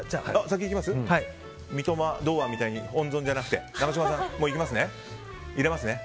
三笘、堂安みたいに温存じゃなくて永島さん、いきますね。